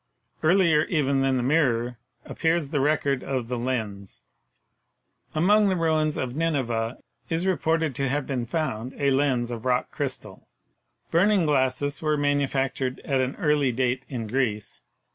Earlier even than the mirror appears the record of the lens. Among the ruins of Nineveh is reported to have been found a lens of rock crystal. Burning glasses were manufactured at an early date in Greece.